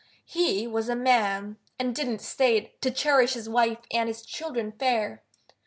He was a man, And didn't stay To cherish his wife and his children fair.